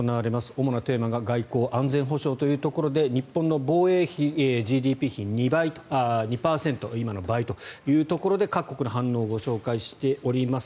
主なテーマが外交、安全保障というところで日本の防衛費ＧＤＰ比２％今の倍というところで各国の反応をご紹介しております。